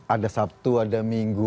ada sabtu ada minggu